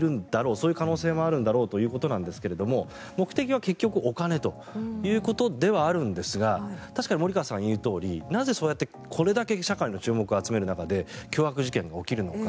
そういう可能性もあるんだろうということなんですが目的は結局、お金ということではあるんですが確かに森川さんが言うとおりこれだけ社会の注目を集める中で凶悪事件が起きるのか。